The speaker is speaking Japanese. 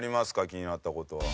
気になった事は。